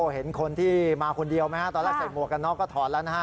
เห็นคนที่มาคนเดียวไหมฮะตอนแรกใส่หมวกกันน็อกก็ถอดแล้วนะฮะ